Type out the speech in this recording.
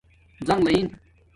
زنݣ لین